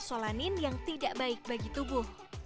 solanin yang tidak baik bagi tubuh